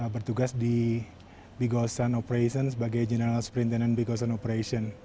bertugas di bikosan operations sebagai general superintendent bikosan operations